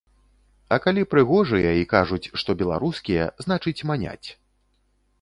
А калі прыгожыя і кажуць, што беларускія, значыць, маняць.